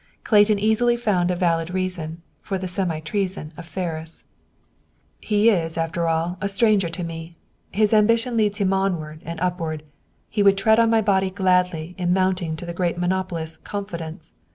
Clayton easily found a valid reason, for the semi treason of Ferris. "He is, after all, a stranger to me. His ambition leads him onward and upward. He would tread on my body gladly in mounting to the great monopolist's confidence.